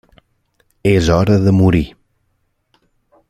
És hora de morir.